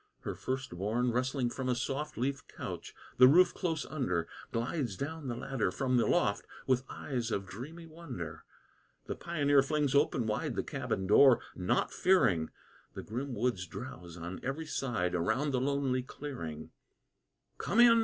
Her first born, rustling from a soft Leaf couch, the roof close under, Glides down the ladder from the loft, With eyes of dreamy wonder. The pioneer flings open wide The cabin door, naught fearing; The grim woods drowse on every side, Around the lonely clearing. "Come in!